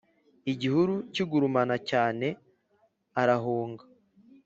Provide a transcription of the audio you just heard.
igihuru kigurumana cyane arahunga